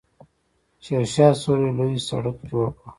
شیرشاه سوري لوی سړک جوړ کړ.